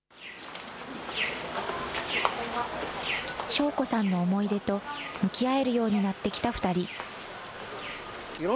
晶子さんの思い出と向き合えるようになってきた２人。